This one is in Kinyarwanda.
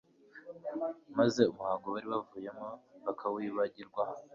maze umuhango bari bavuyemo bakawibagirwa